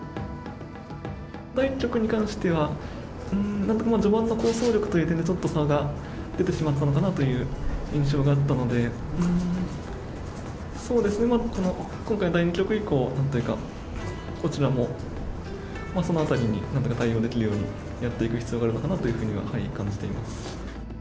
第１局に関しては、うーん、やっぱり序盤の構想力という点で、ちょっと差が出てしまったのかなという印象があったので、うーん、そうですね、この今回、第２局以降、こちらもそのあたりになんとか対応できるように、やっていく必要があるのかなというふうには感じています。